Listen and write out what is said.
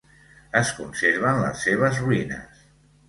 Es conserven les seves ruïnes.